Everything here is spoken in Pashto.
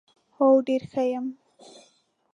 هو ډېره ښه یم .